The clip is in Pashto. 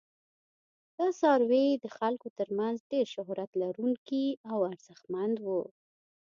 دا څاروي د خلکو تر منځ ډیر شهرت لرونکي او ارزښتمن وو.